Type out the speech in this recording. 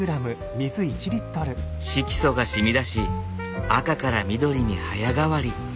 色素が染み出し赤から緑に早変わり。